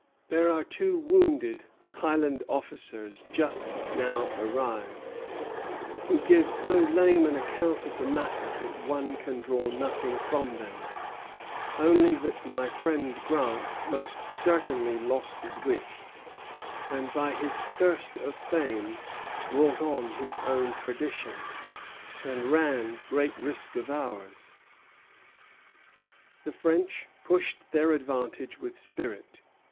There are two wounded Highland officers just now arrived, who give so lame an account of the matter that one can draw nothing from them, only that my friend Grant most certainly lost his wits, and by his thirst of fame brought on his own perdition, and ran great risk of ours." Forbes to Bouquet, 23 Sept. 1758. The French pushed their advantage with spirit.